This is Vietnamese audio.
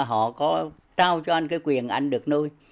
họ trao cho anh quyền anh được nuôi